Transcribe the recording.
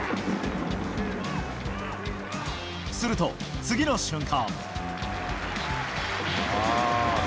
すると、次の瞬間。